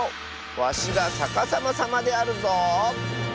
わしがさかさまさまであるぞ。